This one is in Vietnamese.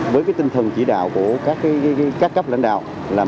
với tinh thần chỉ đạo của các cấp lãnh đạo